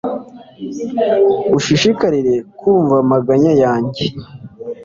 ushishikarire kumva amaganya yanjye